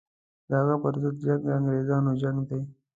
د هغه پر ضد جنګ د انګرېزانو جنګ دی.